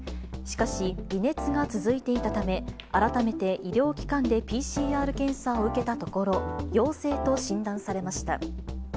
しかし、微熱が続いていたため、改めて医療機関でＰＣＲ検査を受けたところ、陽性と診断されました。